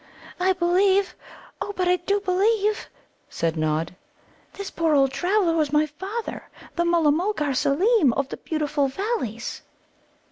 "I believe oh, but I do believe," said Nod, "this poor old traveller was my father, the Mulla mulgar Seelem, of the beautiful Valleys."